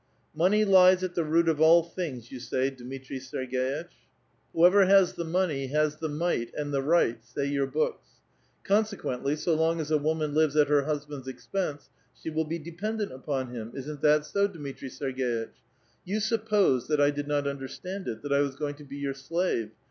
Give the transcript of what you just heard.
" Money lies at the root of all things, you say, Dmitri 120 A VITAL QUESTION. Scrg^'itch ; whoever has the money has the might and the riglit. Bay y<>r.r lMx>k8 ; consequently, so long as a woman livvs at lier husband's expense, she will be dependent upon him ; isu*t tliat so, Dmitri Serg^itch? You supposed that I did not understand it ; that I was going to be your slave.